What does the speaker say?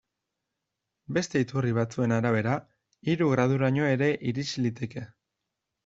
Beste iturri batzuen arabera, hiru graduraino ere irits liteke.